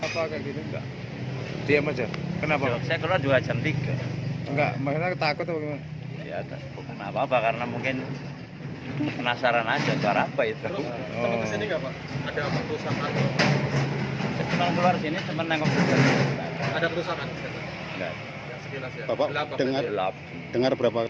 penasaran aja suara apa itu